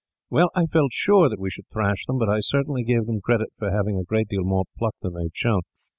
"Well, I felt sure that we should thrash them, but I certainly gave them credit for having a great deal more pluck than they have shown.